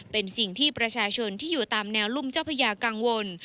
เป็นสิ่งที่ประชาชนที่อยู่ตามแนวรุ่มเจ้าพญากังวล